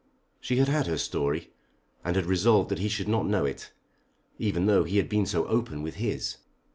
She had had her story, and had resolved that he should not know it, even though he had been so open with his.